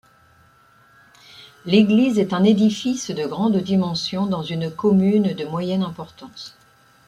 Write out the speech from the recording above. L'église est un édifice de grande dimension dans une commune de moyenne importance.